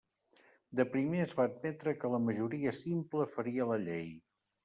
De primer es va admetre que la majoria simple faria la llei.